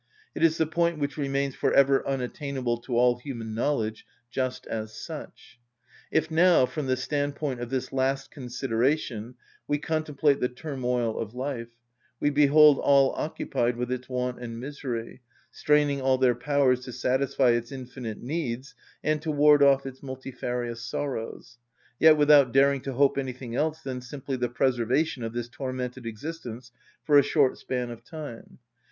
It is the point which remains for ever unattainable to all human knowledge, just as such. If now, from the standpoint of this last consideration, we contemplate the turmoil of life, we behold all occupied with its want and misery, straining all their powers to satisfy its infinite needs and to ward off its multifarious sorrows, yet without daring to hope anything else than simply the preservation of this tormented existence for a short span of time.